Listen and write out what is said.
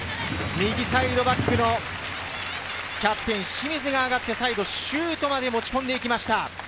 右サイドバックのキャプテン・清水が上がって、最後、シュートまで持っていきました。